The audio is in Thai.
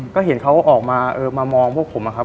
ก็เห็นเขาออกมามามองพวกผมนะครับ